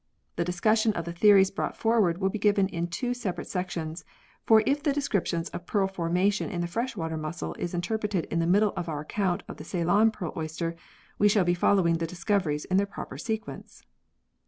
The discussion of the theories brought forward will be given in two separate sections, for if the description of pearl forma tion in the fresh water mussel is interpolated in the middle of our account of the Ceylon pearl oyster we shall be following the discoveries in their proper sequence.